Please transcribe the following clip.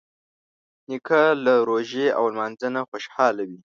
نیکه له روژې او لمانځه نه خوشحاله وي.